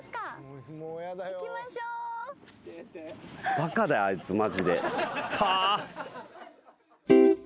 バカだあいつマジで。